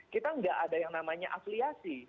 kita nggak ada yang namanya afiliasi